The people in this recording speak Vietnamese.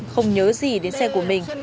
không nhớ gì đến xe của mình